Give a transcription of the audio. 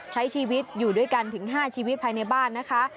ใช้ชีวิตอยู่ด้วยกันถึง๕ชีวิตภายในบ้านนะคะ